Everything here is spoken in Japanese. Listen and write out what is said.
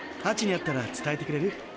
ハチに会ったら伝えてくれる？